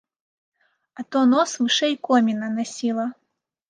А то нос вышэй коміна насіла!